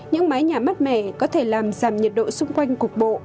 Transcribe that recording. những máy nhà mắt mẻ có thể làm giảm nhiệt độ xung quanh cuộc bộ